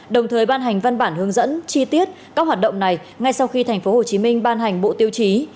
đồng thời ban hành văn bản hướng dẫn chi tiết các hoạt động này ngay sau khi tp hcm ban hành bộ tiêu chí